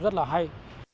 rất là hay